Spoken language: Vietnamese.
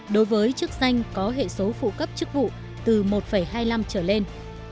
đối với chức danh có hệ số phụ cấp chức vụ từ một hai mươi năm trở lên